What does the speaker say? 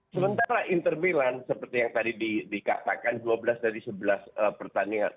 sementara inter milan seperti yang tadi dikatakan dua belas dari sebelas pertandingan